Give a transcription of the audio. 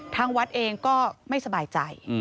ทางวัดเองก็ไม่สบายใจ